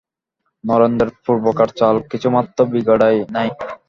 নরেন্দ্রের পূর্বকার চাল কিছুমাত্র বিগড়ায় নাই।